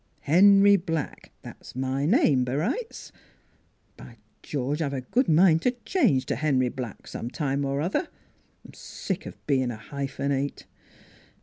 Henry Black that's my name, b'rights. By George, I've a good mind to change to Henry Black, sometime or other! Sick of being a hyphenate."